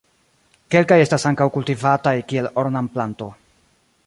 Kelkaj estas ankaŭ kultivataj kiel ornamplanto.